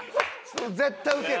絶対ウケる。